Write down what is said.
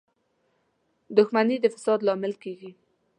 • دښمني د فساد لامل کېږي.